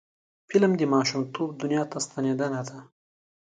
فلم د ماشومتوب دنیا ته ستنیدنه ده